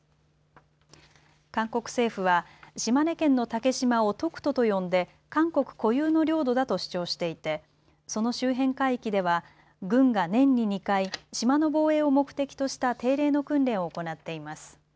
韓国政府は島根県の竹島をトクトと呼んで韓国固有の領土だと主張していてその周辺海域では軍が年に２回島の防衛を目的とした定例の訓練を行っています。